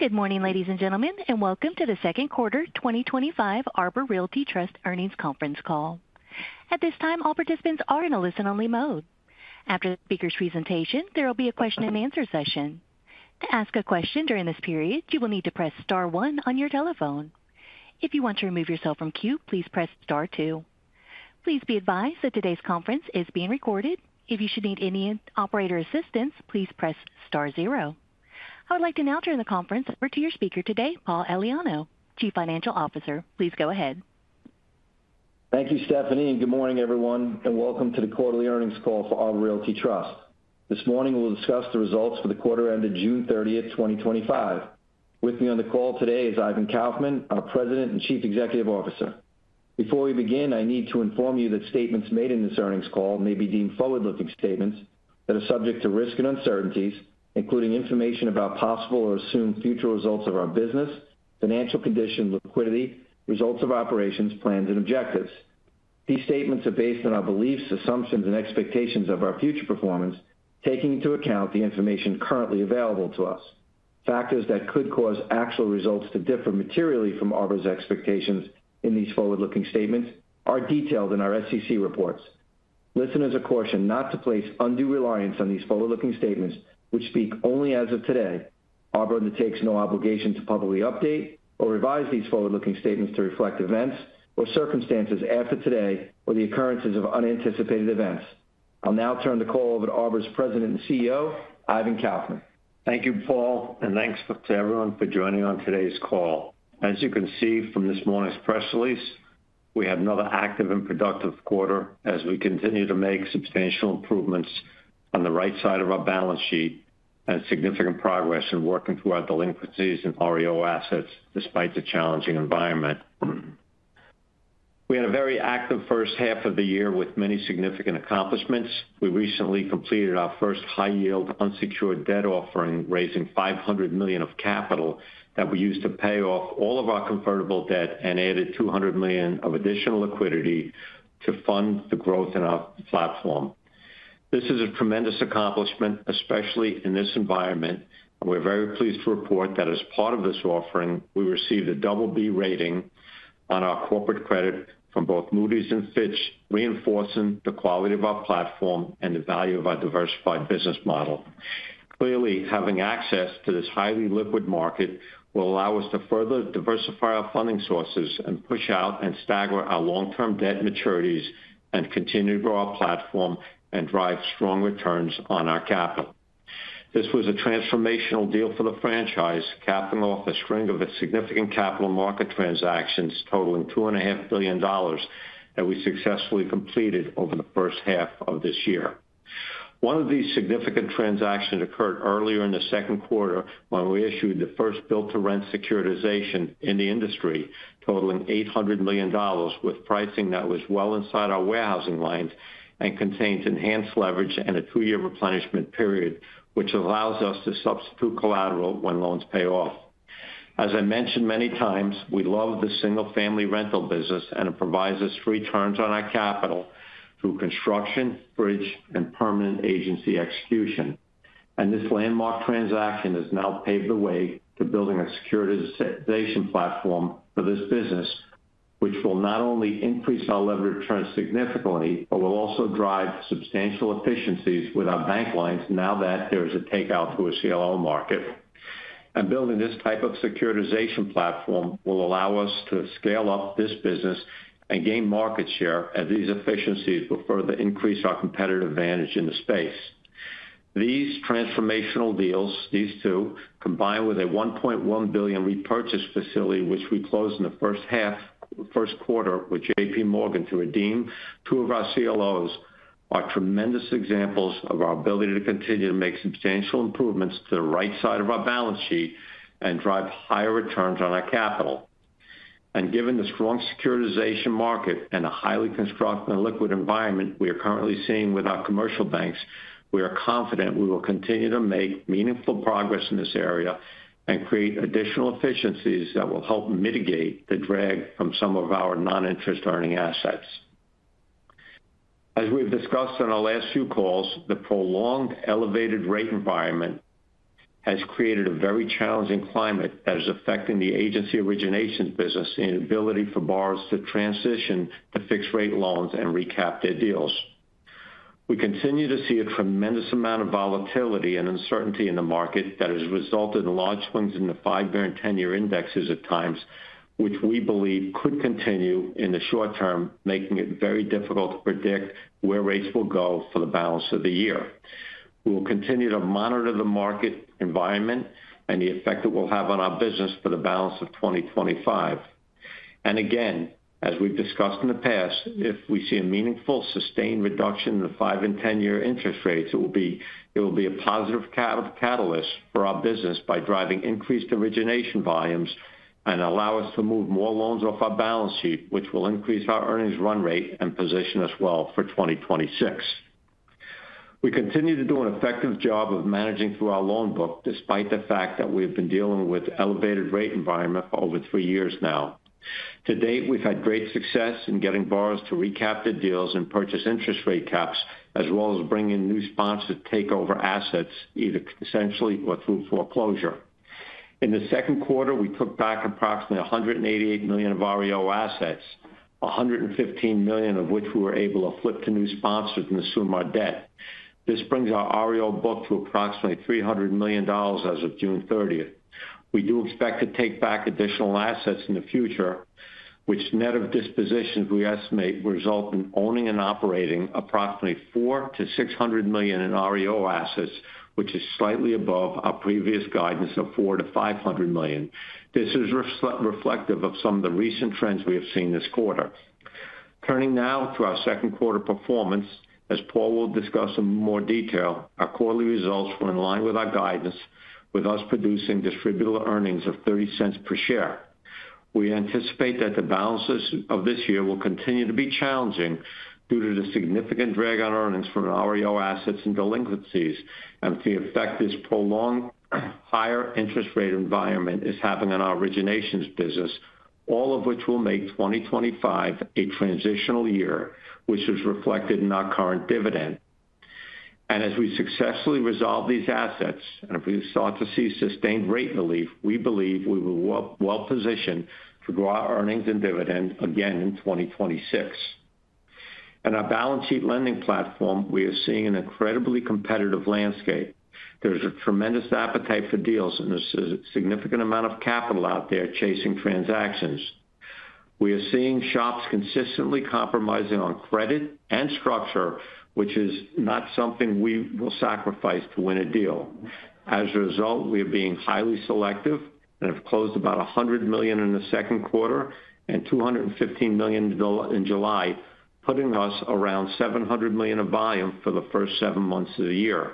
Good morning, ladies and gentlemen, and welcome to the second quarter 2025 Arbor Realty Trust earnings conference call. At this time, all participants are in a listen-only mode. After the speaker's presentation, there will be a question and answer session. To ask a question during this period, you will need to press star one on your telephone. If you want to remove yourself from queue, please press star two. Please be advised that today's conference is being recorded. If you should need any operator assistance, please press star zero. I would like to now turn the conference over to your speaker today, Paul Elenio, Chief Financial Officer. Please go ahead. Thank you, Stephanie, and good morning, everyone, and welcome to the quarterly earnings call for Arbor Realty Trust. This morning, we'll discuss the results for the quarter ended June 30th, 2025. With me on the call today is Ivan Kaufman, our President and Chief Executive Officer. Before we begin, I need to inform you that statements made in this earnings call may be deemed forward-looking statements that are subject to risk and uncertainties, including information about possible or assumed future results of our business, financial condition, liquidity, results of operations, plans, and objectives. These statements are based on our beliefs, assumptions, and expectations of our future performance, taking into account the information currently available to us. Factors that could cause actual results to differ materially from Arbor's expectations in these forward-looking statements are detailed in our SEC reports. Listeners are cautioned not to place undue reliance on these forward-looking statements, which speak only as of today. Arbor undertakes no obligation to publicly update or revise these forward-looking statements to reflect events or circumstances after today or the occurrences of unanticipated events. I'll now turn the call over to Arbor's President and CEO, Ivan Kaufman. Thank you, Paul, and thanks to everyone for joining on today's call. As you can see from this morning's press release, we have another active and productive quarter as we continue to make substantial improvements on the right side of our balance sheet and significant progress in working through our delinquencies and REO assets despite the challenging environment. We had a very active first half of the year with many significant accomplishments. We recently completed our first high-yield unsecured debt offering, raising $500 million of capital that we used to pay off all of our convertible debt and added $200 million of additional liquidity to fund the growth in our platform. This is a tremendous accomplishment, especially in this environment, and we're very pleased to report that as part of this offering, we received a double-B rating on our corporate credit from both Moody’s and Fitch, reinforcing the quality of our platform and the value of our diversified business model. Clearly, having access to this highly liquid market will allow us to further diversify our funding sources and push out and stagger our long-term debt maturities and continue to grow our platform and drive strong returns on our capital. This was a transformational deal for the franchise, capping off a string of its significant capital market transactions totaling $2.5 billion that we successfully completed over the first half of this year. One of these significant transactions occurred earlier in the second quarter when we issued the first built-to-rent securitization in the industry, totaling $800 million, with pricing that was well inside our warehousing lines and contained enhanced leverage and a two-year replenishment period, which allows us to substitute collateral when loans pay off. As I mentioned many times, we love the single-family rental business, and it provides us free terms on our capital through construction, bridge, and permanent agency execution. This landmark transaction has now paved the way to building a securitization platform for this business, which will not only increase our leverage returns significantly, but will also drive substantial efficiencies with our bank lines now that there is a takeout to a CLO market. Building this type of securitization platform will allow us to scale up this business and gain market share, as these efficiencies will further increase our competitive advantage in the space. These transformational deals, these two, combined with a $1.1 billion repurchase facility, which we closed in the first quarter with J.P. Morgan to redeem two of our CLOs, are tremendous examples of our ability to continue to make substantial improvements to the right side of our balance sheet and drive higher returns on our capital. Given the strong securitization market and a highly constructive and liquid environment we are currently seeing with our commercial banks, we are confident we will continue to make meaningful progress in this area and create additional efficiencies that will help mitigate the drag from some of our non-interest earning assets. As we've discussed on our last few calls, the prolonged elevated rate environment has created a very challenging climate that is affecting the agency originations business and the ability for buyers to transition to fixed-rate loans and recap their deals. We continue to see a tremendous amount of volatility and uncertainty in the market that has resulted in large swings in the five-year and ten-year indexes at times, which we believe could continue in the short term, making it very difficult to predict where rates will go for the balance of the year. We will continue to monitor the market environment and the effect it will have on our business for the balance of 2025. As we've discussed in the past, if we see a meaningful, sustained reduction in the five and ten-year interest rates, it will be a positive catalyst for our business by driving increased origination volumes and allowing us to move more loans off our balance sheet, which will increase our earnings run rate and position us well for 2026. We continue to do an effective job of managing through our loan book, despite the fact that we have been dealing with an elevated rate environment for over three years now. To date, we've had great success in getting buyers to recap their deals and purchase interest rate caps, as well as bringing new sponsors to take over assets, either essentially or through foreclosure. In the second quarter, we took back approximately $188 million of REO assets, $115 million of which we were able to flip to new sponsors and assume our debt. This brings our REO book to approximately $300 million as of June 30th. We do expect to take back additional assets in the future, which, net of dispositions, we estimate will result in owning and operating approximately $400 million-$600 million in REO assets, which is slightly above our previous guidance of $400 million-$500 million. This is reflective of some of the recent trends we have seen this quarter. Turning now to our second quarter performance, as Paul will discuss in more detail, our quarterly results were in line with our guidance, with us producing distributed earnings of $0.30 per share. We anticipate that the balance of this year will continue to be challenging due to the significant drag on earnings from REO assets and delinquencies and the effect this prolonged higher interest rate environment is having on our originations business, all of which will make 2025 a transitional year, which is reflected in our current dividend. As we successfully resolve these assets and if we start to see sustained rate relief, we believe we will be well positioned to grow our earnings and dividend again in 2026. In our balance sheet lending platform, we are seeing an incredibly competitive landscape. There's a tremendous appetite for deals and a significant amount of capital out there chasing transactions. We are seeing shops consistently compromising on credit and structure, which is not something we will sacrifice to win a deal. As a result, we are being highly selective and have closed about $100 million in the second quarter and $215 million in July, putting us around $700 million of volume for the first seven months of the year.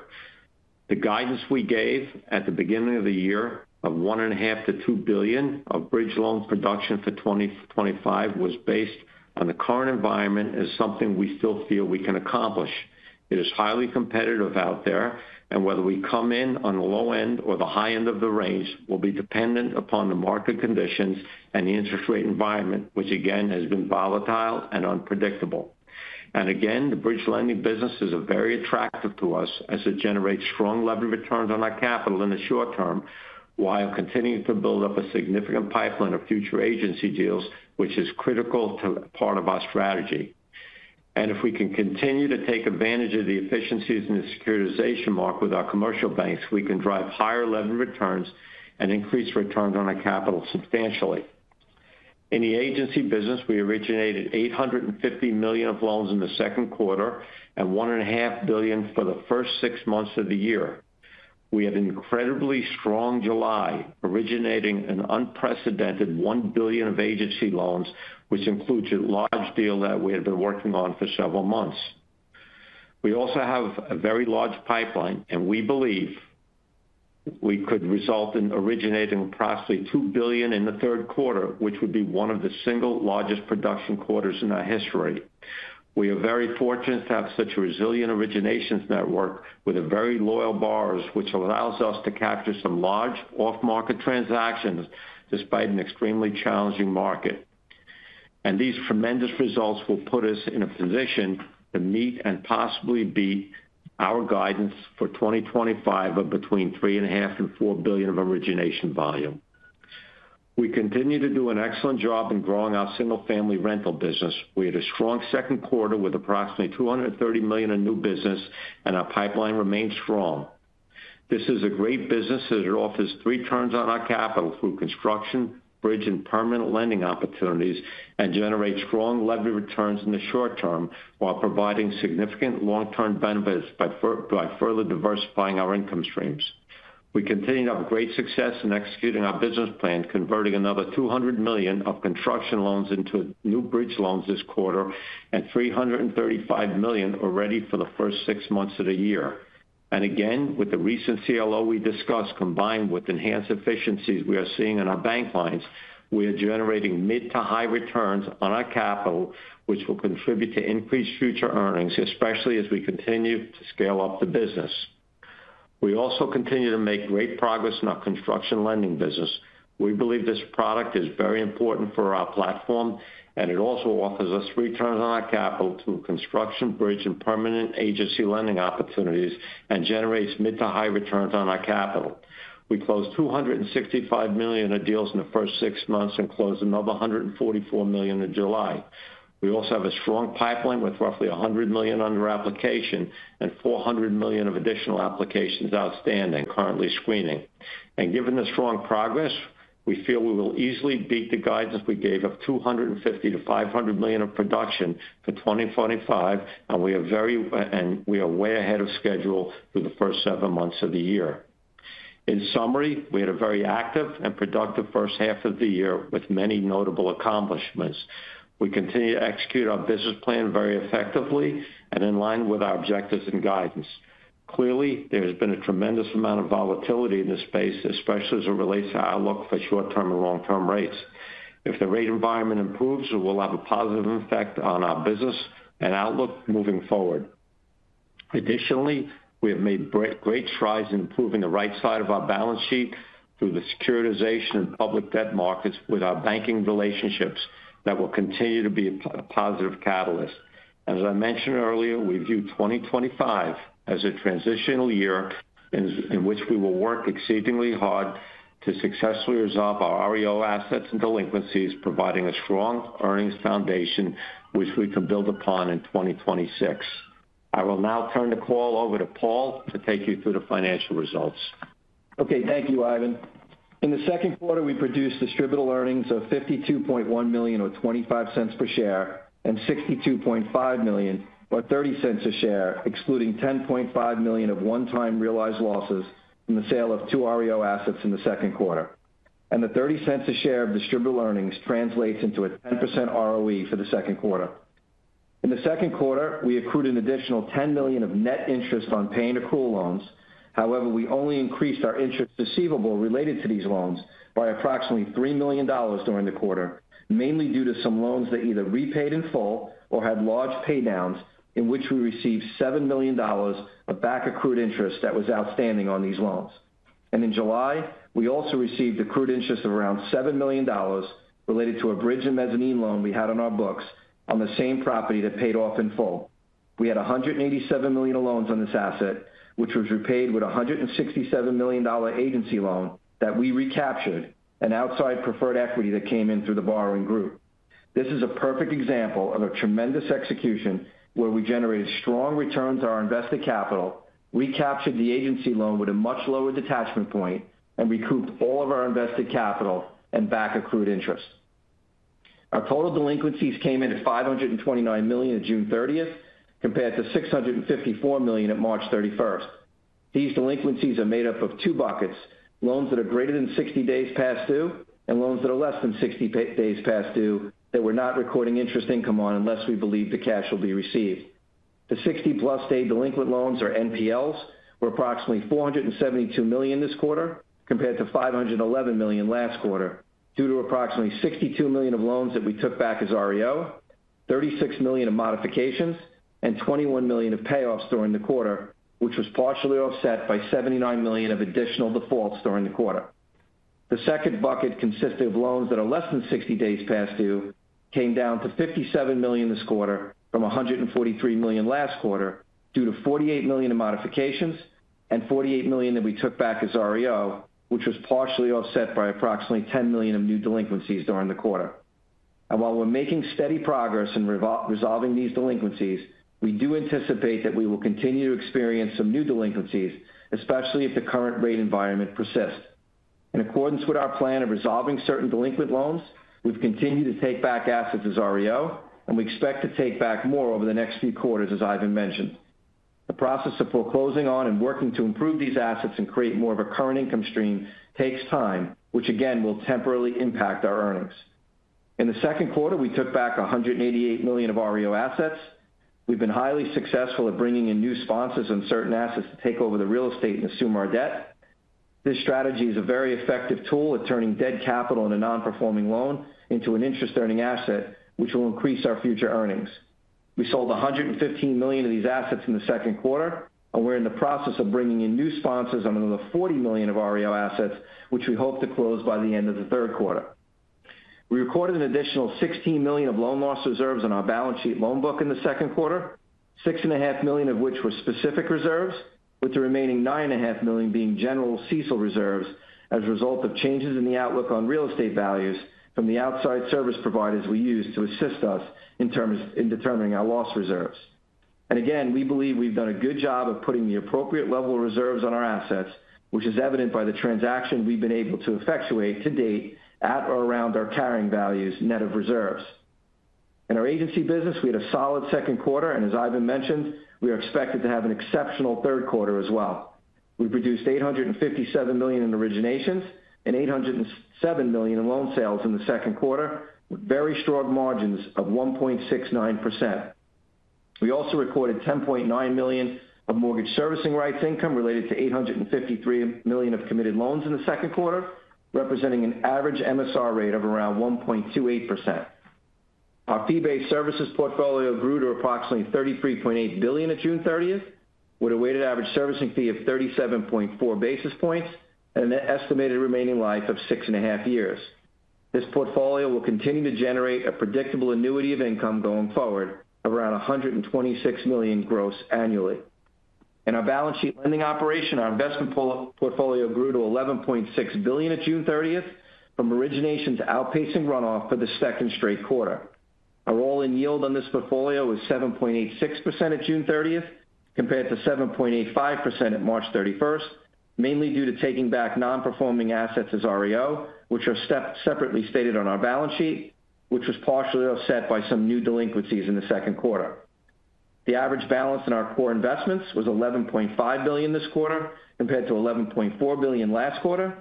The guidance we gave at the beginning of the year of $1.5 billion-$2 billion of bridge loan production for 2025 was based on the current environment as something we still feel we can accomplish. It is highly competitive out there, and whether we come in on the low end or the high end of the range will be dependent upon the market conditions and the interest rate environment, which again has been volatile and unpredictable. The bridge lending business is very attractive to us as it generates strong leverage returns on our capital in the short term, while continuing to build up a significant pipeline of future agency deals, which is critical to part of our strategy. If we can continue to take advantage of the efficiencies in the securitization market with our commercial banks, we can drive higher leverage returns and increase returns on our capital substantially. In the agency business, we originated $850 million of loans in the second quarter and $1.5 billion for the first six months of the year. We had an incredibly strong July, originating an unprecedented $1 billion of agency loans, which includes a large deal that we had been working on for several months. We also have a very large pipeline, and we believe we could result in originating approximately $2 billion in the third quarter, which would be one of the single largest production quarters in our history. We are very fortunate to have such a resilient originations network with very loyal buyers, which allows us to capture some large off-market transactions despite an extremely challenging market. These tremendous results will put us in a position to meet and possibly beat our guidance for 2025 of between $3.5 billion and $4 billion of origination volume. We continue to do an excellent job in growing our single-family rental business. We had a strong second quarter with approximately $230 million in new business, and our pipeline remains strong. This is a great business as it offers three terms on our capital through construction, bridge, and permanent lending opportunities and generates strong leverage returns in the short term while providing significant long-term benefits by further diversifying our income streams. We continue to have great success in executing our business plan, converting another $200 million of construction loans into new bridge loans this quarter, and $335 million already for the first six months of the year. With the recent CLO we discussed, combined with enhanced efficiencies we are seeing in our bank lines, we are generating mid to high returns on our capital, which will contribute to increased future earnings, especially as we continue to scale up the business. We also continue to make great progress in our construction lending business. We believe this product is very important for our platform, and it also offers us three terms on our capital through construction, bridge, and permanent agency lending opportunities and generates mid to high returns on our capital. We closed $265 million of deals in the first six months and closed another $144 million in July. We also have a strong pipeline with roughly $100 million under application and $400 million of additional applications outstanding currently screening. Given the strong progress, we feel we will easily beat the guidance we gave of $250 million-$500 million of production for 2025, and we are way ahead of schedule for the first seven months of the year. In summary, we had a very active and productive first half of the year with many notable accomplishments. We continue to execute our business plan very effectively and in line with our objectives and guidance. Clearly, there has been a tremendous amount of volatility in this space, especially as it relates to our outlook for short-term and long-term rates. If the rate environment improves, it will have a positive effect on our business and outlook moving forward. Additionally, we have made great strides in improving the right side of our balance sheet through the securitization and public debt markets with our banking relationships that will continue to be a positive catalyst. As I mentioned earlier, we view 2025 as a transitional year in which we will work exceedingly hard to successfully resolve our REO assets and delinquencies, providing a strong earnings foundation which we can build upon in 2026. I will now turn the call over to Paul to take you through the financial results. Okay, thank you, Ivan. In the second quarter, we produced distributed earnings of $52.1 million or $0.25 per share and $62.5 million or $0.30 a share, excluding $10.5 million of one-time realized losses from the sale of two REO assets in the second quarter. The $0.30 a share of distributed earnings translates into a 10% ROE for the second quarter. In the second quarter, we accrued an additional $10 million of net interest on paying accrual loans. However, we only increased our interest receivable related to these loans by approximately $3 million during the quarter, mainly due to some loans that either repaid in full or had large paydowns in which we received $7 million of back accrued interest that was outstanding on these loans. In July, we also received accrued interest of around $7 million related to a bridge and mezzanine loan we had on our books on the same property that paid off in full. We had $187 million loans on this asset, which was repaid with a $167 million agency loan that we recaptured and outside preferred equity that came in through the borrowing group. This is a perfect example of a tremendous execution where we generated strong returns on our invested capital, recaptured the agency loan with a much lower detachment point, and recouped all of our invested capital and back accrued interest. Our total delinquencies came in at $529 million at June 30th, compared to $654 million at March 31st. These delinquencies are made up of two buckets: loans that are greater than 60 days past due and loans that are less than 60 days past due that we're not recording interest income on unless we believe the cash will be received. The 60+ day delinquent loans or NPLs were approximately $472 million this quarter, compared to $511 million last quarter, due to approximately $62 million of loans that we took back as REO, $36 million of modifications, and $21 million of payoffs during the quarter, which was partially offset by $79 million of additional defaults during the quarter. The second bucket consisted of loans that are less than 60 days past due, came down to $57 million this quarter from $143 million last quarter, due to $48 million of modifications and $48 million that we took back as REO, which was partially offset by approximately $10 million of new delinquencies during the quarter. While we're making steady progress in resolving these delinquencies, we do anticipate that we will continue to experience some new delinquencies, especially if the current rate environment persists. In accordance with our plan of resolving certain delinquent loans, we've continued to take back assets as REO, and we expect to take back more over the next few quarters, as Ivan mentioned. The process of foreclosing on and working to improve these assets and create more of a current income stream takes time, which again will temporarily impact our earnings. In the second quarter, we took back $188 million of REO assets. We've been highly successful at bringing in new sponsors on certain assets to take over the real estate and assume our debt. This strategy is a very effective tool at turning dead capital in a non-performing loan into an interest-earning asset, which will increase our future earnings. We sold $115 million of these assets in the second quarter, and we're in the process of bringing in new sponsors on another $40 million of REO assets, which we hope to close by the end of the third quarter. We recorded an additional $16 million of loan loss reserves on our balance sheet loan book in the second quarter, $6.5 million of which were specific reserves, with the remaining $9.5 million being general CECL reserves as a result of changes in the outlook on real estate values from the outside service providers we use to assist us in determining our loss reserves. We believe we've done a good job of putting the appropriate level of reserves on our assets, which is evident by the transactions we've been able to effectuate to date at or around our carrying values net of reserves. In our agency business, we had a solid second quarter, and as Ivan mentioned, we are expected to have an exceptional third quarter as well. We produced $857 million in originations and $807 million in loan sales in the second quarter, with very strong margins of 1.69%. We also recorded $10.9 million of mortgage servicing rights income related to $853 million of committed loans in the second quarter, representing an average MSR rate of around 1.28%. Our fee-based services portfolio grew to approximately $33.8 billion at June 30th, with a weighted average servicing fee of 37.4 basis points and an estimated remaining life of six and a half years. This portfolio will continue to generate a predictable annuity of income going forward of around $126 million gross annually. In our balance sheet lending operation, our investment portfolio grew to $11.6 billion at June 30th, from origination outpacing runoff for the second straight quarter. Our roll-in yield on this portfolio was 7.86% at June 30th, compared to 7.85% at March 31st, mainly due to taking back non-performing assets as REO, which are separately stated on our balance sheet, which was partially offset by some new delinquencies in the second quarter. The average balance in our core investments was $11.5 billion this quarter, compared to $11.4 billion last quarter.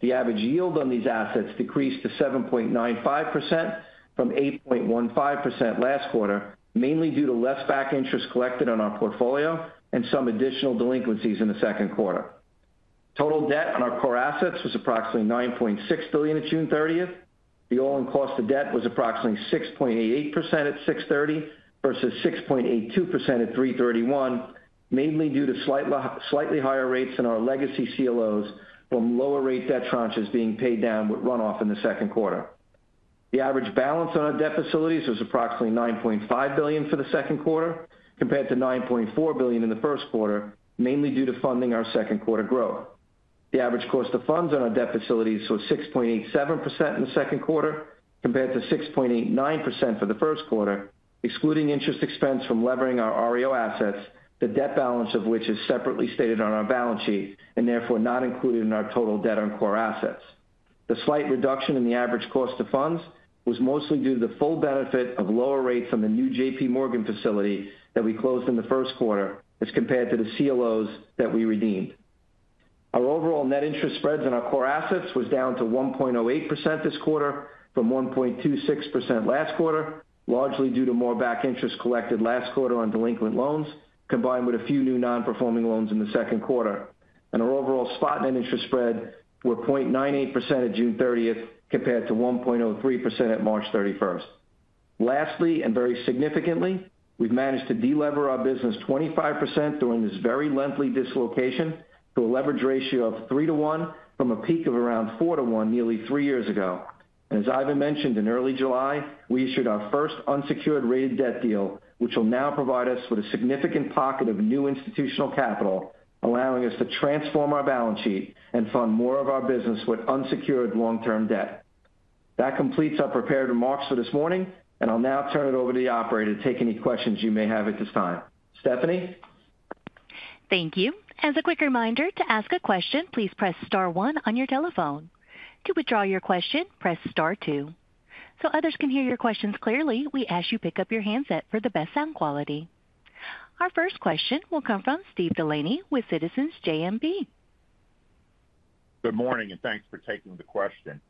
The average yield on these assets decreased to 7.95% from 8.15% last quarter, mainly due to less back interest collected on our portfolio and some additional delinquencies in the second quarter. Total debt on our core assets was approximately $9.6 billion at June 30th. The all-in cost of debt was approximately 6.88% at 6/30 versus 6.82% at 3/31, mainly due to slightly higher rates than our legacy CLOs from lower rate debt tranches being paid down with runoff in the second quarter. The average balance on our debt facilities was approximately $9.5 billion for the second quarter, compared to $9.4 billion in the first quarter, mainly due to funding our second quarter growth. The average cost of funds on our debt facilities was 6.87% in the second quarter, compared to 6.89% for the first quarter, excluding interest expense from levering our REO assets, the debt balance of which is separately stated on our balance sheet and therefore not included in our total debt on core assets. The slight reduction in the average cost of funds was mostly due to the full benefit of lower rates on the new repurchase facility with J.P. Morgan that we closed in the first quarter as compared to the CLOs that we redeemed. Our overall net interest spreads on our core assets were down to 1.08% this quarter from 1.26% last quarter, largely due to more back interest collected last quarter on delinquent loans, combined with a few new non-performing loans in the second quarter. Our overall spot net interest spreads were 0.98% at June 30th, compared to 1.03% at March 31st. Lastly, and very significantly, we've managed to delever our business 25% during this very lengthy dislocation to a leverage ratio of three to one from a peak of around four to one nearly three years ago. As Ivan mentioned, in early July, we issued our first unsecured rated debt deal, which will now provide us with a significant pocket of new institutional capital, allowing us to transform our balance sheet and fund more of our business with unsecured long-term debt. That completes our prepared remarks for this morning, and I'll now turn it over to the operator to take any questions you may have at this time. Stephanie? Thank you. As a quick reminder, to ask a question, please press star one on your telephone. To withdraw your question, press star two. To ensure others can hear your questions clearly, we ask you to pick up your handset for the best sound quality. Our first question will come from Steve Delaney with Citizens JMP. Good morning, and thanks for taking the question.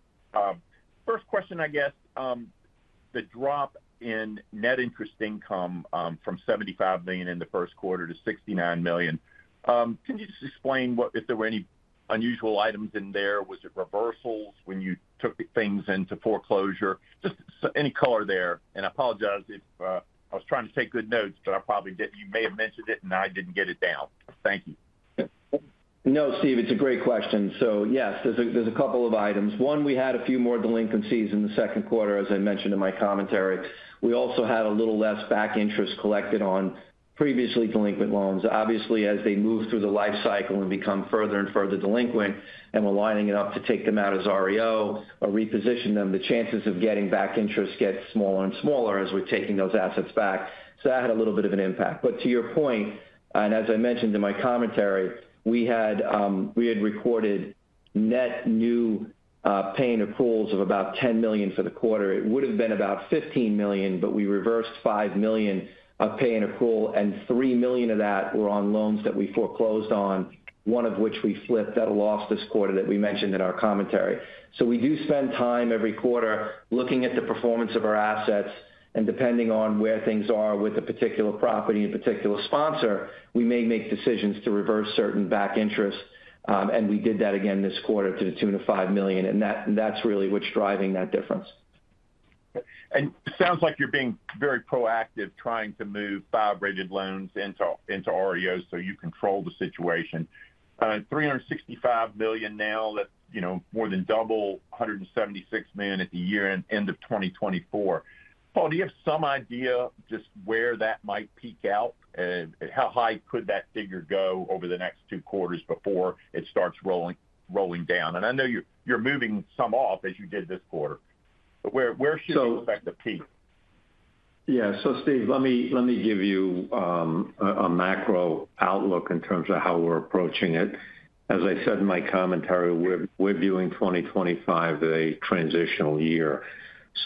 First question, I guess, the drop in net interest income, from $75 million in the first quarter to $69 million. Can you just explain what, if there were any unusual items in there? Was it reversals when you took things into foreclosure? Just any color there. I apologize if, I was trying to take good notes, but I probably didn't. You may have mentioned it and I didn't get it down. Thank you. No, Steve, it's a great question. Yes, there's a couple of items. One, we had a few more delinquencies in the second quarter, as I mentioned in my commentary. We also had a little less back interest collected on previously delinquent loans. Obviously, as they move through the life cycle and become further and further delinquent and we're lining it up to take them out as REO or reposition them, the chances of getting back interest get smaller and smaller as we're taking those assets back. That had a little bit of an impact. To your point, and as I mentioned in my commentary, we had recorded net new paying accruals of about $10 million for the quarter. It would have been about $15 million, but we reversed $5 million of paying accrual, and $3 million of that were on loans that we foreclosed on, one of which we flipped at a loss this quarter that we mentioned in our commentary. We do spend time every quarter looking at the performance of our assets, and depending on where things are with a particular property and a particular sponsor, we may make decisions to reverse certain back interests. We did that again this quarter to the tune of $5 million, and that's really what's driving that difference. It sounds like you're being very proactive trying to move five rated loans into REO so you control the situation. $365 million now, that's more than double $176 million at the year end of 2024. Paul, do you have some idea just where that might peak out? How high could that figure go over the next two quarters before it starts rolling down? I know you're moving some off as you did this quarter. Where should it affect the peak? Yeah, Steve, let me give you a macro outlook in terms of how we're approaching it. As I said in my commentary, we're viewing 2025 as a transitional year.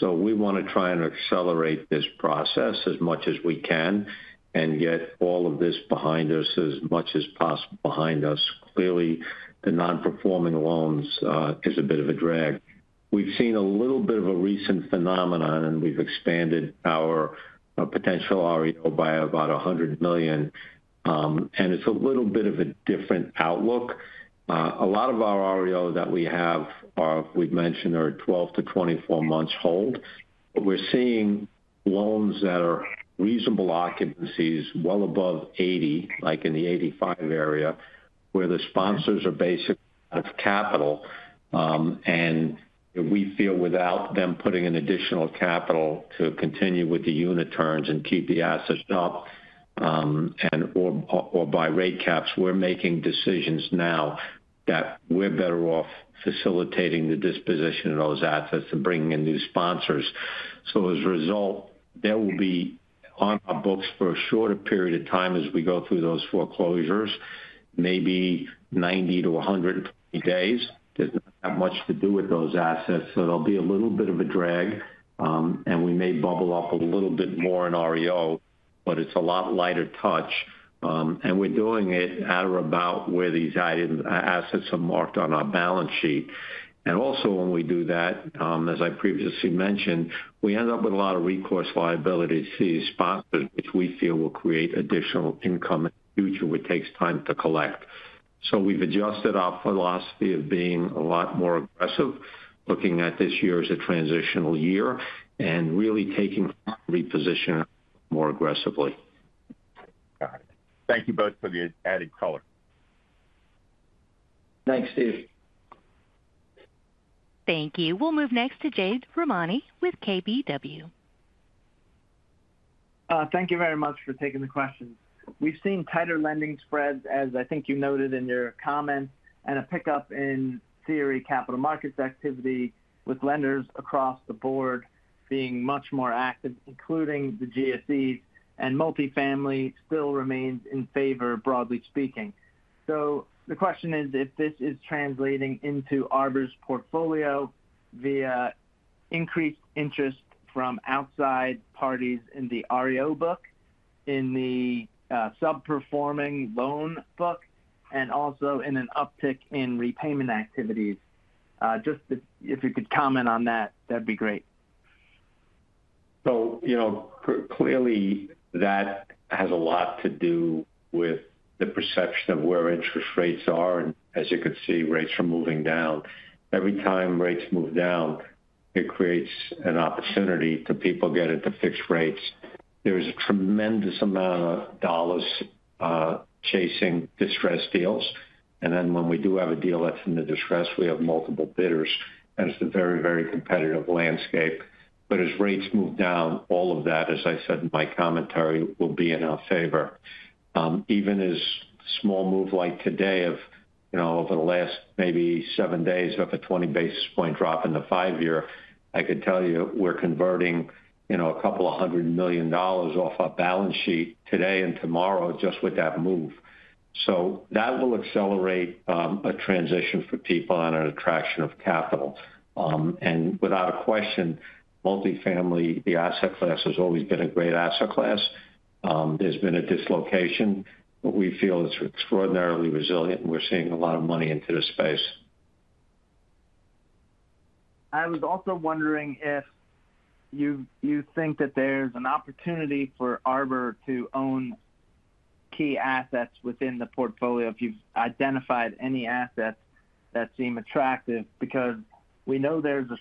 We want to try and accelerate this process as much as we can and get all of this behind us, as much as possible behind us. Clearly, the non-performing loans is a bit of a drag. We've seen a little bit of a recent phenomenon, and we've expanded our potential REO by about $100 million. It's a little bit of a different outlook. A lot of our REO that we have, we've mentioned, are 12-24 months hold. We're seeing loans that are reasonable occupancies, well above 80%, like in the 85% area, where the sponsors are basically out of capital. We feel without them putting in additional capital to continue with the unit terms and keep the assets up, and or buy rate caps, we're making decisions now that we're better off facilitating the disposition of those assets and bringing in new sponsors. As a result, there will be on our books for a shorter period of time as we go through those foreclosures, maybe 90-120 days. It does not have much to do with those assets, so there'll be a little bit of a drag. We may bubble up a little bit more in REO, but it's a lot lighter touch. We're doing it at or about where these assets are marked on our balance sheet. Also, when we do that, as I previously mentioned, we end up with a lot of recourse liabilities to these sponsors, which we feel will create additional income in the future, which takes time to collect. We've adjusted our philosophy of being a lot more aggressive, looking at this year as a transitional year, and really taking reposition more aggressively. Got it. Thank you both for the added color. Thanks, Steve. Thank you. We'll move next to Jade Rahmani with KBW. Thank you very much for taking the questions. We've seen tighter lending spreads, as I think you noted in your comment, and a pickup in theory capital markets activity with lenders across the board being much more active, including the GSEs, and multifamily still remains in favor, broadly speaking. The question is if this is translating into Arbor's portfolio via increased interest from outside parties in the REO book, in the sub-performing loan book, and also in an uptick in repayment activities. If you could comment on that, that'd be great. Clearly, that has a lot to do with the perception of where interest rates are, and as you can see, rates are moving down. Every time rates move down, it creates an opportunity for people to get into fixed rates. There is a tremendous amount of dollars chasing distress deals. When we do have a deal that's in distress, we have multiple bidders, and it's a very, very competitive landscape. As rates move down, all of that, as I said in my commentary, will be in our favor. Even a small move like today, over the last maybe seven days of a 20 basis point drop in the five-year, I could tell you we're converting a couple of hundred million dollars off our balance sheet today and tomorrow just with that move. That will accelerate a transition for people and an attraction of capital. Without question, multifamily, the asset class, has always been a great asset class. There's been a dislocation, but we feel it's extraordinarily resilient, and we're seeing a lot of money into this space. I was also wondering if you think that there's an opportunity for Arbor to own key assets within the portfolio, if you've identified any assets that seem attractive, because we know there's a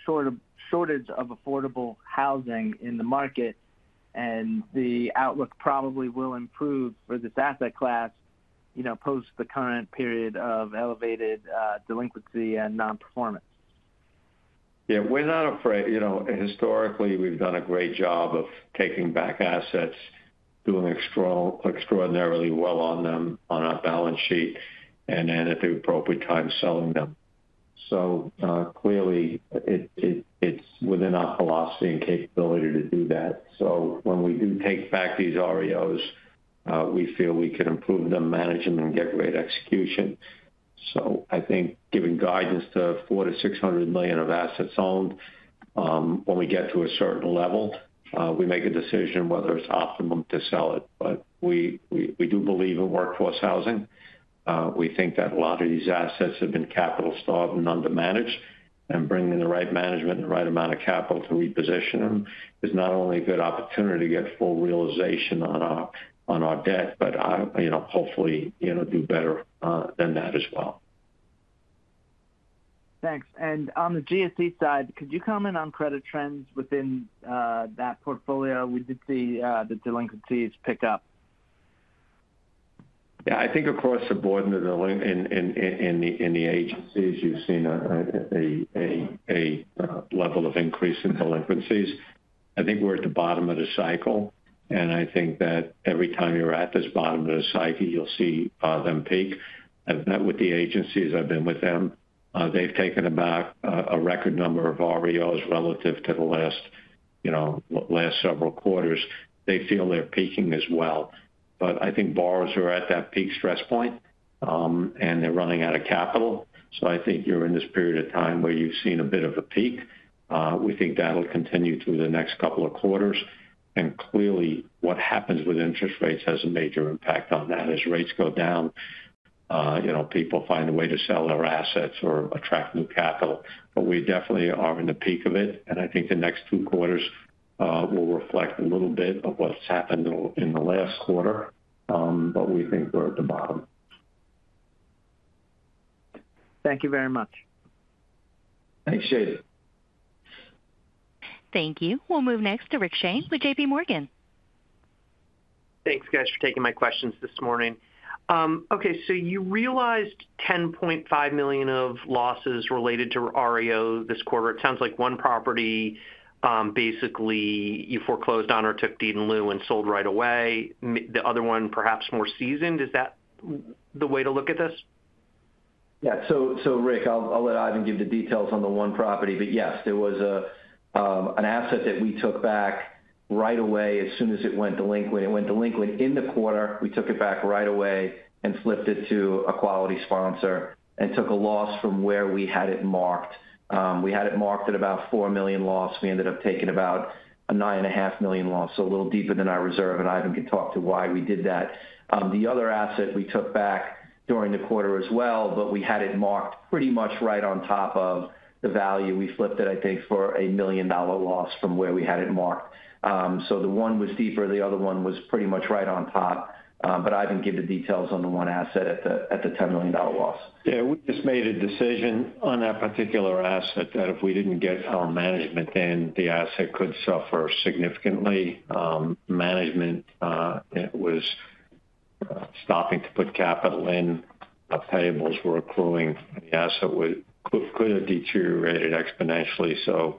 shortage of affordable housing in the market, and the outlook probably will improve for this asset class, you know, post the current period of elevated delinquency and non-performance. Yeah, we're not afraid. Historically, we've done a great job of taking back assets, doing extraordinarily well on them on our balance sheet, and then at the appropriate time, selling them. Clearly, it's within our philosophy and capability to do that. When we do take back these REOs, we feel we can improve them, manage them, and get great execution. I think giving guidance to $400 million-$600 million of assets owned, when we get to a certain level, we make a decision whether it's optimum to sell it. We do believe in workforce housing. We think that a lot of these assets have been capital-starved and undermanaged, and bringing the right management and the right amount of capital to reposition them is not only a good opportunity to get full realization on our debt, but, hopefully, do better than that as well. Thanks. On the GSE side, could you comment on credit trends within that portfolio? We did see the delinquencies pick up. Yeah, I think across the board in the agencies, you've seen a level of increase in delinquencies. I think we're at the bottom of the cycle, and I think that every time you're at this bottom of the cycle, you'll see them peak. I've met with the agencies, I've been with them. They've taken about a record number of REO relative to the last several quarters. They feel they're peaking as well. I think borrowers are at that peak stress point, and they're running out of capital. I think you're in this period of time where you've seen a bit of a peak. We think that'll continue through the next couple of quarters. Clearly, what happens with interest rates has a major impact on that. As rates go down, people find a way to sell their assets or attract new capital. We definitely are in the peak of it, and I think the next two quarters will reflect a little bit of what's happened in the last quarter. We think we're at the bottom. Thank you very much. Thanks, Jay. Thank you. We'll move next to Rick Shane with J.P. Morgan. Thanks, guys, for taking my questions this morning. Okay, you realized $10.5 million of losses related to REO this quarter. It sounds like one property, basically, you foreclosed on or took deed in lieu and sold right away. The other one perhaps more seasoned. Is that the way to look at this? Yeah, Rick, I'll let Ivan give the details on the one property, but yes, there was an asset that we took back right away as soon as it went delinquent. It went delinquent in the quarter. We took it back right away and flipped it to a quality sponsor and took a loss from where we had it marked. We had it marked at about a $4 million loss. We ended up taking about a $9.5 million loss, so a little deeper than our reserve, and Ivan can talk to why we did that. The other asset we took back during the quarter as well, but we had it marked pretty much right on top of the value. We flipped it, I think, for a $1 million loss from where we had it marked. The one was deeper. The other one was pretty much right on top. Ivan can give the details on the one asset at the $10 million loss. Yeah, we just made a decision on that particular asset that if we didn't get our management in, the asset could suffer significantly. Management was stopping to put capital in. Payables were accruing. The asset could have deteriorated exponentially, so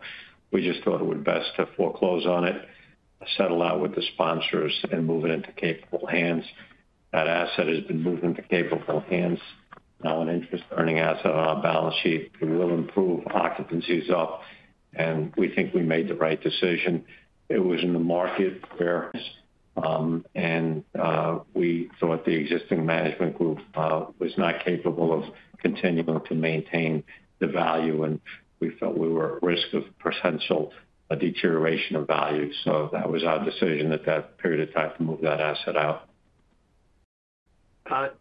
we just thought it would be best to foreclose on it, settle out with the sponsors, and move it into capable hands. That asset has been moved into capable hands, now an interest-earning asset on our balance sheet. It will improve occupancies up, and we think we made the right decision. It was in the market where we thought the existing management group was not capable of continuing to maintain the value, and we felt we were at risk of potential deterioration of value. That was our decision at that period of time to move that asset out.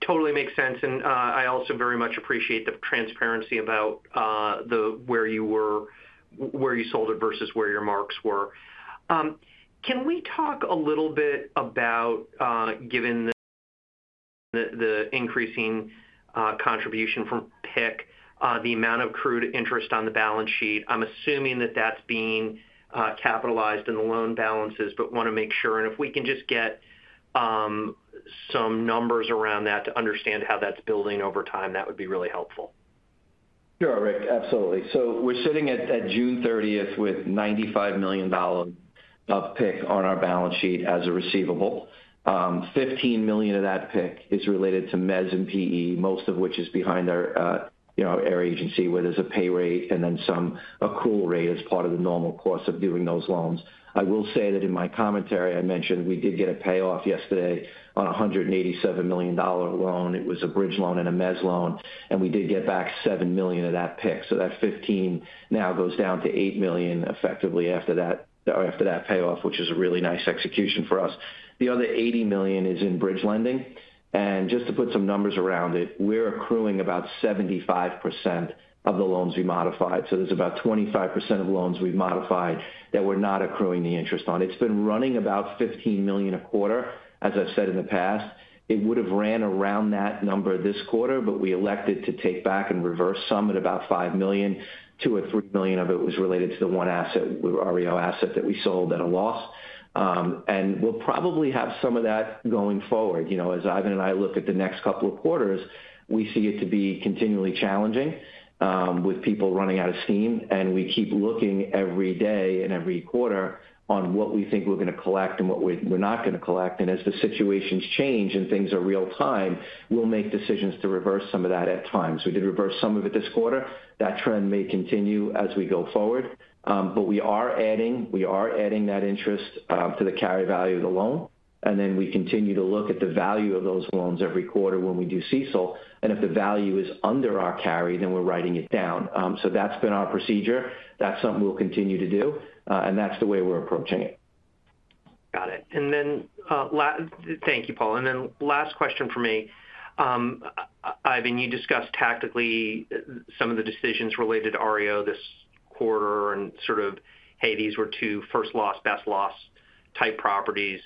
Totally makes sense, and I also very much appreciate the transparency about where you were, where you sold it versus where your marks were. Can we talk a little bit about, given the increasing contribution from PIC, the amount of accrued interest on the balance sheet? I'm assuming that that's being capitalized in the loan balances, but want to make sure, and if we can just get some numbers around that to understand how that's building over time, that would be really helpful. Sure, Rick, absolutely. We're sitting at June 30th with $95 million of PIC on our balance sheet as a receivable. $15 million of that PIC is related to mezzanine and preferred equity, most of which is behind our agency, where there's a pay rate and then some accrual rate as part of the normal course of doing those loans. In my commentary, I mentioned we did get a payoff yesterday on a $187 million loan. It was a bridge loan and a mezzanine loan, and we did get back $7 million of that PIC. That $15 million now goes down to $8 million effectively after that payoff, which is a really nice execution for us. The other $80 million is in bridge lending, and just to put some numbers around it, we're accruing about 75% of the loans we modified. There's about 25% of loans we've modified that we're not accruing the interest on. It's been running about $15 million a quarter, as I've said in the past. It would have run around that number this quarter, but we elected to take back and reverse some at about $5 million. $2 million or $3 million of it was related to the one asset, REO asset that we sold at a loss. We'll probably have some of that going forward. As Ivan and I look at the next couple of quarters, we see it to be continually challenging with people running out of steam, and we keep looking every day and every quarter on what we think we're going to collect and what we're not going to collect. As the situations change and things are real time, we'll make decisions to reverse some of that at times. We did reverse some of it this quarter. That trend may continue as we go forward, but we are adding that interest to the carry value of the loan, and we continue to look at the value of those loans every quarter when we do CECL. If the value is under our carry, then we're writing it down. That's been our procedure. That's something we'll continue to do, and that's the way we're approaching it. Got it. Thank you, Paul. Last question for me. Ivan, you discussed tactically some of the decisions related to REO this quarter and sort of, hey, these were two first loss, best loss type properties.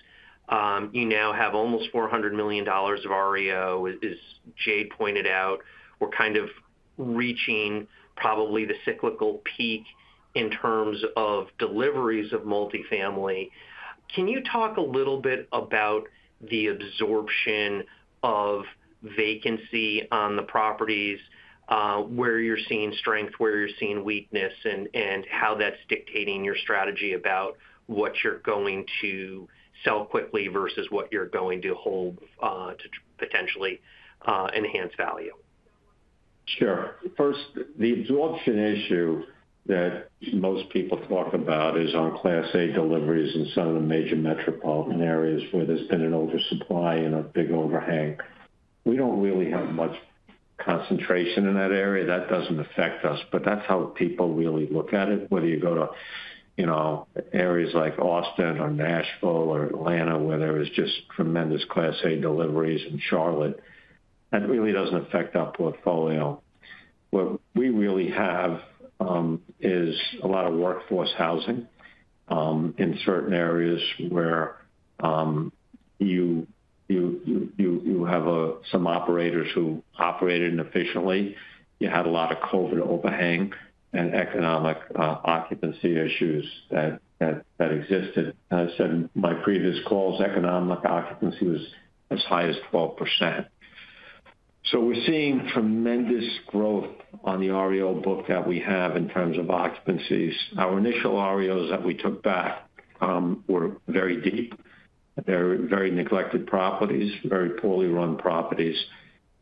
You now have almost $400 million of REO, as Jay pointed out. We're kind of reaching probably the cyclical peak in terms of deliveries of multifamily. Can you talk a little bit about the absorption of vacancy on the properties, where you're seeing strength, where you're seeing weakness, and how that's dictating your strategy about what you're going to sell quickly versus what you're going to hold to potentially enhance value? Sure. First, the absorption issue that most people talk about is on Class A deliveries in some of the major metropolitan areas where there's been an oversupply and a big overhang. We don't really have much concentration in that area. That doesn't affect us, but that's how people really look at it. Whether you go to areas like Austin or Nashville or Atlanta, where there is just tremendous Class A deliveries, in Charlotte, that really doesn't affect our portfolio. What we really have is a lot of workforce housing in certain areas where you have some operators who operated inefficiently. You had a lot of COVID overhang and economic occupancy issues that existed. As I said in my previous calls, economic occupancy was as high as 12%. We're seeing tremendous growth on the REO book that we have in terms of occupancies. Our initial REOs that we took back were very deep. They're very neglected properties, very poorly run properties,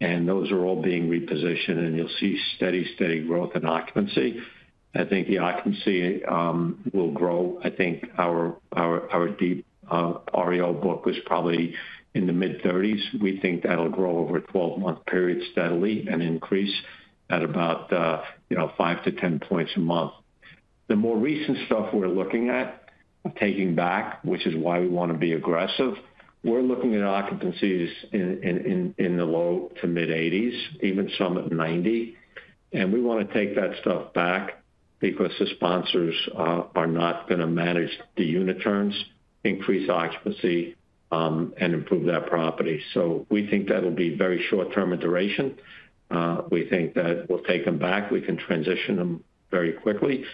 and those are all being repositioned, and you'll see steady growth in occupancy. I think the occupancy will grow. I think our deep REO book was probably in the mid-30s percent. We think that'll grow over a 12-month period steadily and increase at about 5 percentage points to 10 percentage points a month. The more recent stuff we're looking at taking back, which is why we want to be aggressive, we're looking at occupancies in the low to mid-80s percent, even some at 90%. We want to take that stuff back because the sponsors are not going to manage the unit terms, increase occupancy, and improve that property. We think that'll be very short-term in duration. We think that we'll take them back. We can transition them very quickly,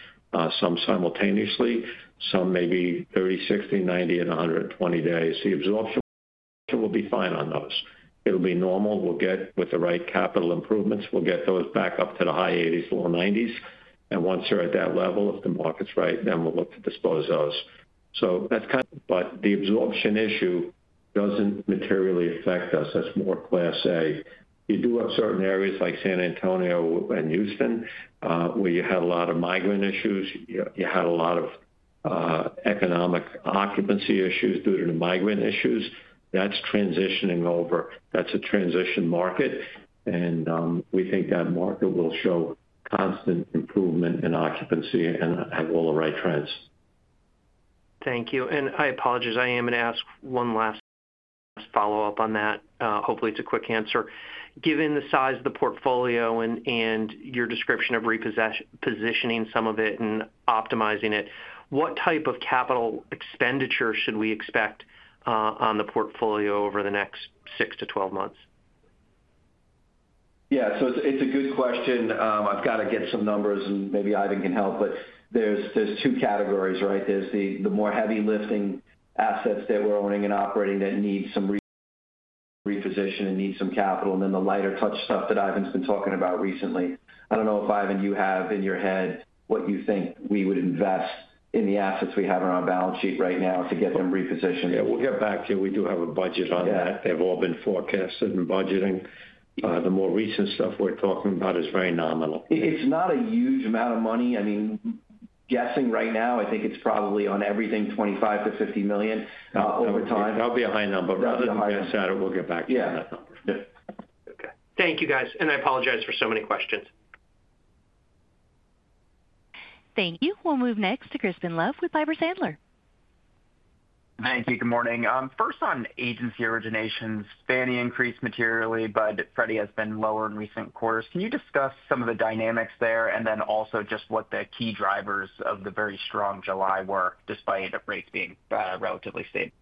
some simultaneously, some maybe 30, 60, 90, and 120 days. The absorption will be fine on those. It'll be normal. With the right capital improvements, we'll get those back up to the high 80s percent, low 90s percent, and once they're at that level, if the market's right, then we'll look to dispose of those. The absorption issue doesn't materially affect us. That's more Class A. You do have certain areas like San Antonio and Houston, where you had a lot of migrant issues. You had a lot of economic occupancy issues due to the migrant issues. That's transitioning over. That's a transition market, and we think that market will show constant improvement in occupancy and have all the right trends. Thank you. I apologize, I am going to ask one last follow-up on that. Hopefully, it's a quick answer. Given the size of the portfolio and your description of repositioning some of it and optimizing it, what type of capital expenditure should we expect on the portfolio over the next six to 12 months? Yeah, it's a good question. I've got to get some numbers, and maybe Ivan can help, but there's two categories, right? There's the more heavy lifting assets that we're owning and operating that need some reposition and need some capital, and then the lighter touch stuff that Ivan's been talking about recently. I don't know if, Ivan, you have in your head what you think we would invest in the assets we have on our balance sheet right now to get them repositioned. We'll get back to you. We do have a budget on that. They've all been forecasted in budgeting. The more recent stuff we're talking about is very nominal. It's not a huge amount of money. I mean, guessing right now, I think it's probably on everything $25 million-$50 million over time. That'll be a high number. Rather than high, I said it, we'll get back to you on that number. Yeah, okay. Thank you, guys. I apologize for so many questions. Thank you. We'll move next to Crispin Love with Piper Sandler. Thank you. Good morning. First on agency originations, Fannie increased materially, but Freddie has been lower in recent quarters. Can you discuss some of the dynamics there, and then also just what the key drivers of the very strong July were despite rates being relatively stable?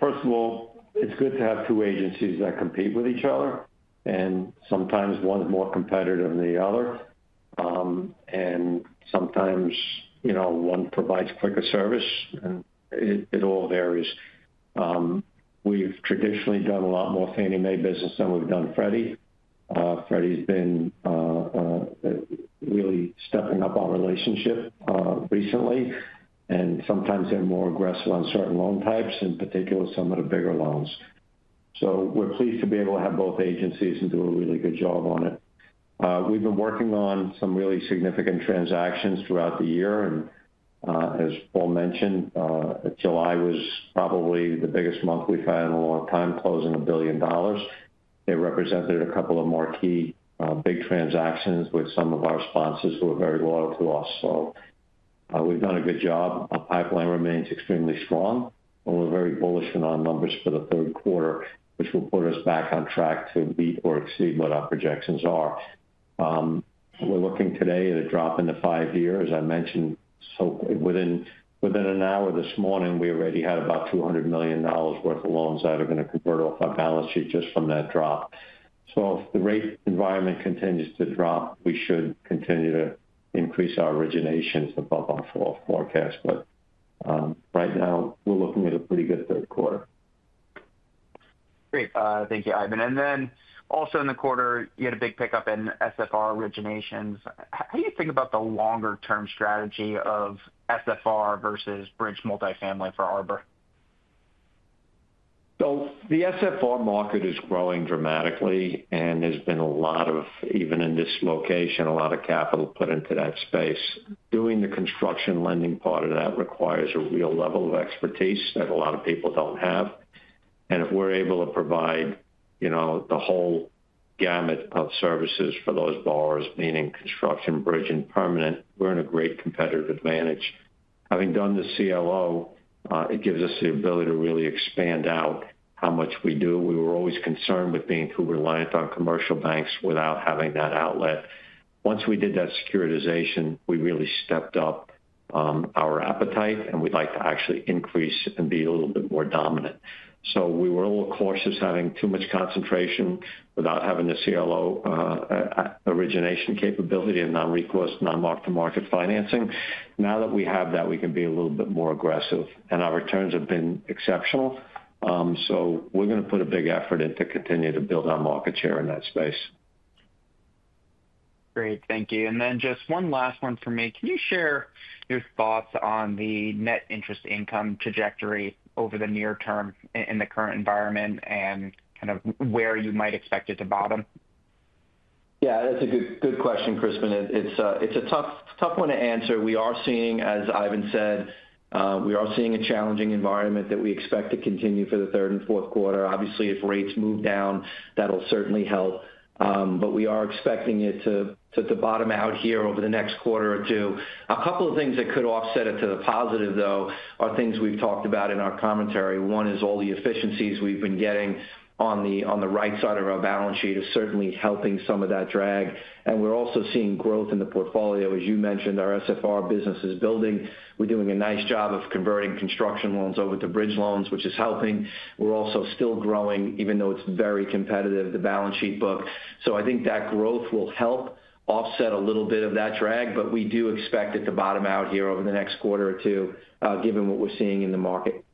First of all, it's good to have two agencies that compete with each other, and sometimes one's more competitive than the other. Sometimes, you know, one provides quicker service, and it all varies. We've traditionally done a lot more Fannie Mae business than we've done Freddie. Freddie's been really stepping up our relationship recently, and sometimes they're more aggressive on certain loan types, in particular some of the bigger loans. We're pleased to be able to have both agencies and do a really good job on it. We've been working on some really significant transactions throughout the year, and as Paul mentioned, July was probably the biggest month we've had in a long time, closing $1 billion. It represented a couple of more key big transactions with some of our sponsors who are very loyal to us. We've done a good job. Our pipeline remains extremely strong, and we're very bullish on our numbers for the third quarter, which will put us back on track to meet or exceed what our projections are. We're looking today at a drop in the five year, as I mentioned. Within an hour this morning, we already had about $200 million worth of loans that are going to convert off our balance sheet just from that drop. If the rate environment continues to drop, we should continue to increase our originations above our forecast. Right now, we're looking at a pretty good third quarter. Great. Thank you, Ivan. In the quarter, you had a big pickup in single-family rental originations. How do you think about the longer-term strategy of single-family rental versus bridge multifamily for Arbor? The SFR market is growing dramatically, and there's been a lot of, even in this location, a lot of capital put into that space. Doing the construction lending part of that requires a real level of expertise that a lot of people don't have. If we're able to provide, you know, the whole gamut of services for those borrowers, meaning construction, bridge, and permanent, we're in a great competitive advantage. Having done the CLO, it gives us the ability to really expand out how much we do. We were always concerned with being too reliant on commercial banks without having that outlet. Once we did that securitization, we really stepped up our appetite, and we'd like to actually increase and be a little bit more dominant. We were a little cautious having too much concentration without having the CLO origination capability and non-request, non-marked-to-market financing. Now that we have that, we can be a little bit more aggressive, and our returns have been exceptional. We're going to put a big effort in to continue to build our market share in that space. Great. Thank you. Just one last one for me. Can you share your thoughts on the net interest income trajectory over the near term in the current environment and kind of where you might expect it to bottom? Yeah, that's a good question, Cris. It's a tough one to answer. We are seeing, as Ivan said, we are seeing a challenging environment that we expect to continue for the third and fourth quarter. Obviously, if rates move down, that'll certainly help. We are expecting it to bottom out here over the next quarter or two. A couple of things that could offset it to the positive, though, are things we've talked about in our commentary. One is all the efficiencies we've been getting on the right side of our balance sheet is certainly helping some of that drag. We're also seeing growth in the portfolio. As you mentioned, our SFR business is building. We're doing a nice job of converting construction loans over to bridge loans, which is helping. We're also still growing, even though it's very competitive, the balance sheet book. I think that growth will help offset a little bit of that drag, but we do expect it to bottom out here over the next quarter or two, given what we're seeing in the market.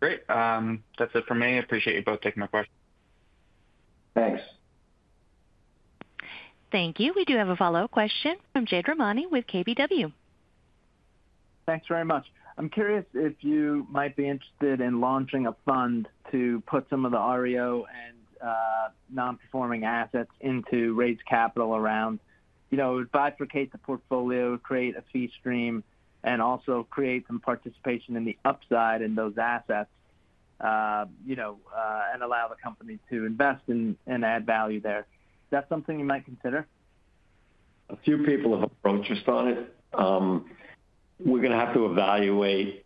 Great. That's it for me. I appreciate you both taking my questions. Thanks. Thank you. We do have a follow-up question from Jade Rahmani with KBW. Thanks very much. I'm curious if you might be interested in launching a fund to put some of the REO and non-performing assets into raised capital around, you know, bifurcate the portfolio, create a fee stream, and also create some participation in the upside in those assets, and allow the company to invest and add value there. Is that something you might consider? A few people have approached us on it. We're going to have to evaluate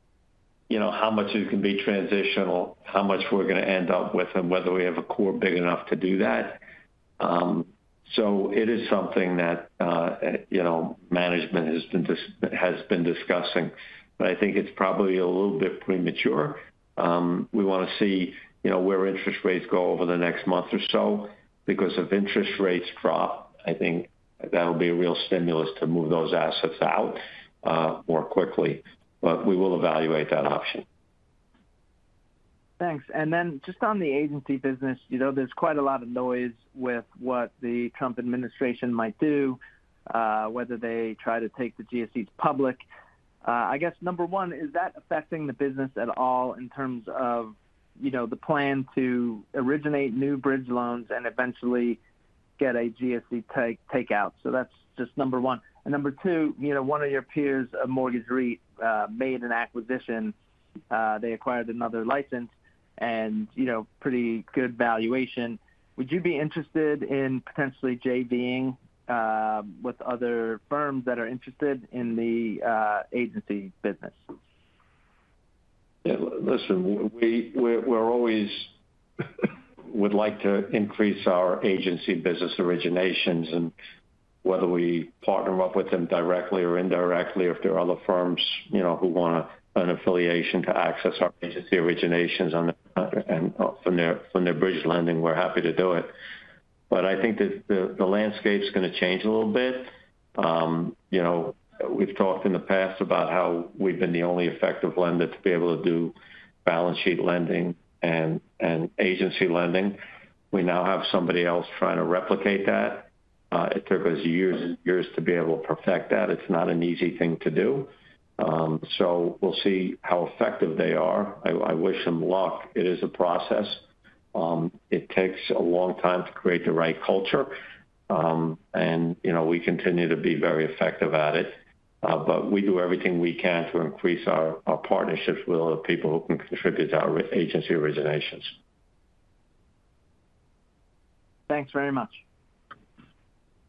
how much it can be transitional, how much we're going to end up with, and whether we have a core big enough to do that. It is something that management has been discussing, but I think it's probably a little bit premature. We want to see where interest rates go over the next month or so. If interest rates drop, I think that'll be a real stimulus to move those assets out more quickly. We will evaluate that option. Thanks. On the agency business, there's quite a lot of noise with what the Trump administration might do, whether they try to take the GSEs public. Number one, is that affecting the business at all in terms of the plan to originate new bridge loans and eventually get a GSE takeout? That's just number one. Number two, one of your peers, a mortgage REIT, made an acquisition. They acquired another license and a pretty good valuation. Would you be interested in potentially JVing with other firms that are interested in the agency business? Yeah, listen, we always would like to increase our agency originations, and whether we partner up with them directly or indirectly, if there are other firms who want an affiliation to access our agency originations and from their bridge lending, we're happy to do it. I think that the landscape's going to change a little bit. We've talked in the past about how we've been the only effective lender to be able to do balance sheet lending and agency lending. We now have somebody else trying to replicate that. It took us years to be able to perfect that. It's not an easy thing to do. We'll see how effective they are. I wish them luck. It is a process. It takes a long time to create the right culture, and we continue to be very effective at it. We do everything we can to increase our partnerships with other people who can contribute to our agency originations. Thanks very much.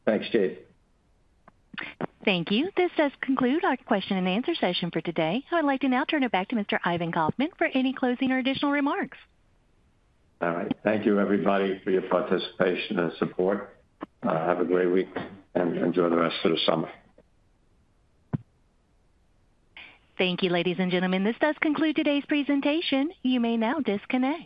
Thanks, Steve. Thank you. This does conclude our question and answer session for today. I'd like to now turn it back to Mr. Ivan Kaufman for any closing or additional remarks. All right. Thank you, everybody, for your participation and support. Have a great week and enjoy the rest of the summer. Thank you, ladies and gentlemen. This does conclude today's presentation. You may now disconnect.